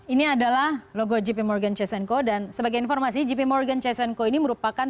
ini adalah logo jp morgan chesenko dan sebagai informasi jp morgan chesenko ini merupakan